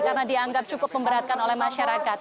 karena dianggap cukup pemberatkan oleh masyarakat